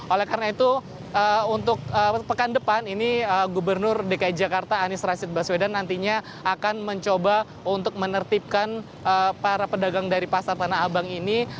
oleh karena itu untuk pekan depan ini gubernur dki jakarta anies rashid baswedan nantinya akan mencoba untuk menertibkan para pedagang dari pasar tanah abang ini